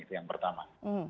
itu yang pertama